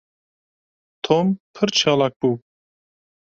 Tom pir çalak bû.